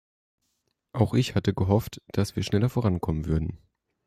Auch ich hatte gehofft, dass wir schneller vorankommen würden.